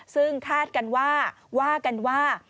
ซึ่งคาดกันว่าว่ากันว่า